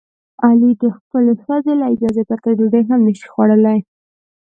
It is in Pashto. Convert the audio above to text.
علي د خپلې ښځې له اجازې پرته ډوډۍ هم نشي خوړلی.